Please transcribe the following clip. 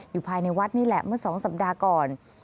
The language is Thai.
อยู่ภายในวัดนี่แหละเมื่อ๒สัปดาห์ก่อน